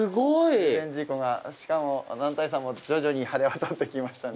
中禅寺湖が、しかも、男体山も徐々に晴れ渡ってきましたね。